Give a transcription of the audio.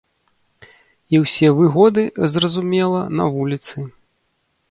І ўсе выгоды, зразумела, на вуліцы.